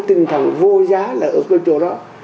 tinh thần vô giá là ở cái chỗ đó